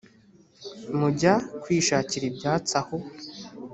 mujya kwishakira ibyatsi aho